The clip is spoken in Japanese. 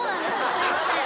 すいません